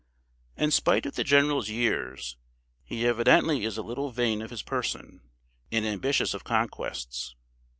In spite of the general's years, he evidently is a little vain of his person, and ambitious of conquests.